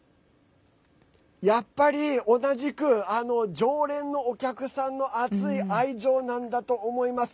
やっぱり、同じく常連のお客さんの熱い愛情なんだと思います。